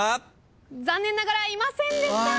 残念ながらいませんでした。